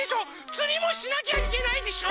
つりもしなきゃいけないでしょ。